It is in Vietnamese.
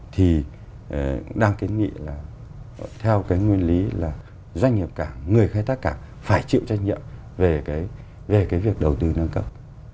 thì đang kiến nghị là theo cái nguyên lý là doanh nghiệp cảng người khai thác cảng phải chịu trách nhiệm về cái việc đầu tư nâng cấp